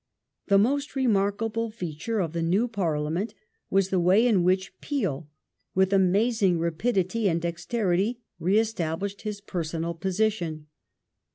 The most remarkable feature of the new Parliament was the way in which Peel, with amazing rapidity and dexterity, re established his personal position.